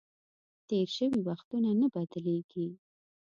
تېر شوي وختونه نه بدلیږي .